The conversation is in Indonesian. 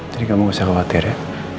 jadi kamu gak usah khawatir ya